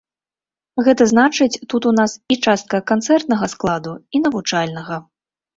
Гэта значыць тут у нас і частка канцэртнага складу, і навучальнага.